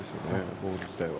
ボール自体が。